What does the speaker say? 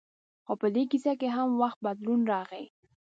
خو په دې کیسه کې هغه وخت بدلون راغی.